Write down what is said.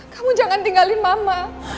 kamu jangan tinggalin mama